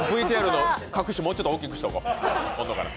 ＶＴＲの隠し、もうちょっと大きくしておこう、今度から。